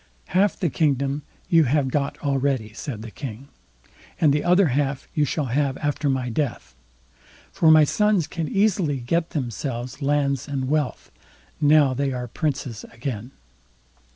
"Half the kingdom you have got already", said the King, "and the other half you shall have after my death; for my sons can easily get themselves lands and wealth, now they are princes again."